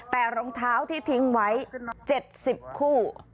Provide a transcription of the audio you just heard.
แต่รองเท้าที่ทิ้งไว้๗๐คู่